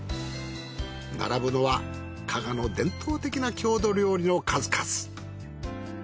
並ぶのは加賀の伝統的な郷土料理の数々。